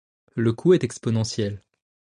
Le coût est exponentiel.